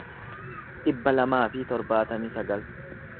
dhibba lamaa fi torbaatamii sagal